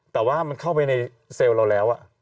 แต่ว่ามันเข้าไปในเซลล์เราแล้ว